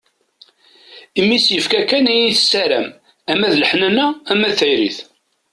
Imi i s-yefka akk ayen i tessaram ama d leḥnana, ama d tayri.